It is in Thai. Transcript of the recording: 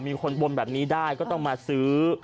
คนบนแบบนี้ได้ก็ต้องมาซื้อ